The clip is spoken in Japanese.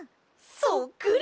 そっくり！